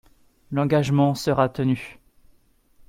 L’engagement sera tenu.